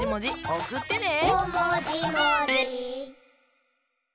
おくってね。